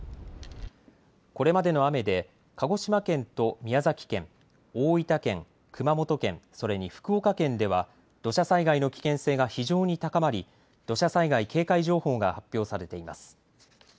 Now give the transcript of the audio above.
これまでの雨で鹿児島県と宮崎県、大分県、熊本県、それに福岡県では土砂災害の危険性が非常に高まり土砂災害警戒情報が発表されています。